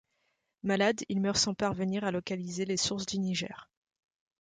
Malade, il meurt sans parvenir à localiser les sources du Niger.